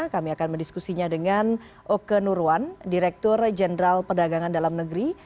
kami akan mendiskusinya dengan oke nurwan direktur jenderal perdagangan dalam negeri